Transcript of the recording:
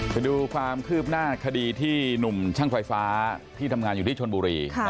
ไปดูความคืบหน้าคดีที่หนุ่มช่างไฟฟ้าที่ทำงานอยู่ที่ชนบุรี